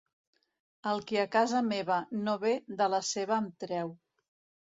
El qui a casa meva no ve de la seva em treu.